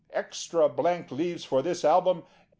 Extra Blank Leaves for this Album, 8d.